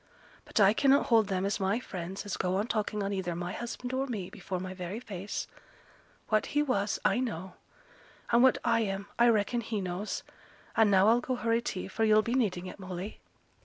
But I cannot hold them as my friends as go on talking on either my husband or me before my very face. What he was, I know; and what I am, I reckon he knows. And now I'll go hurry tea, for yo'll be needing it, Molly!'